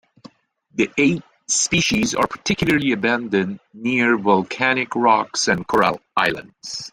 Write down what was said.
The eight species are particularly abundant near volcanic rocks and coral islands.